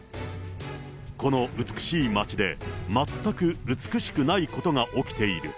この美しい町で、全く美しくないことが起きている。